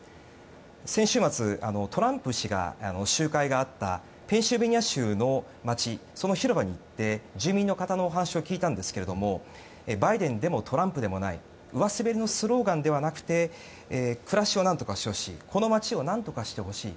先週末、トランプ氏の集会があったペンシルベニア州の街その広場に行って住民の方にお話を聞いたんですがバイデンでもトランプでもない上滑りのスローガンではなくて暮らしを何とかしてほしい。